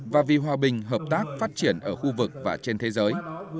và vì hòa bình hợp tác phát triển ở khu vực và trên thế giới